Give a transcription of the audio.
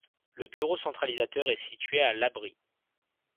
Le bureau centralisateur est situé à Labrit.